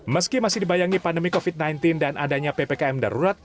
meski masih dibayangi pandemi covid sembilan belas dan adanya ppkm darurat